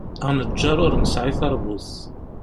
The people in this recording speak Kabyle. Aneǧǧaṛ ur nesɛi taṛbut!